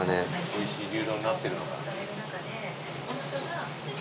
おいしい牛丼になってるのか。